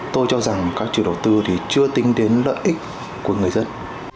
tôi cho rằng các chủ đầu tư thì chưa tính đến lợi ích của người dân